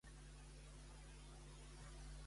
Vull tornar a veure el vídeo de la Miley Cyrus.